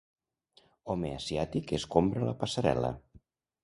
Home asiàtic escombra la passarel·la.